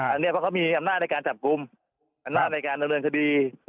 อันนี้เพราะเขามีอำนาจในการจับกลุ่มอำนาจในการดำเนินคดี